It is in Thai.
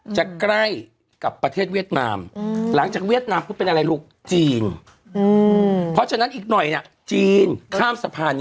จะใกล้กับประเทศเวียดนาม